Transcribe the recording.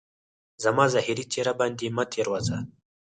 زما ظاهري څهره باندي مه تیروځه